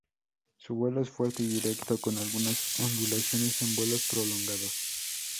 Su vuelo es fuerte y directo con algunas ondulaciones en vuelos prolongados.